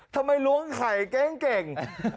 ทำไมรวงไข่แก๊งเก่ง